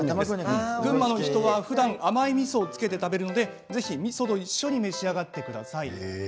群馬の人はふだん甘いみそをつけて食べるのでぜひ、みそと一緒に召し上がってください。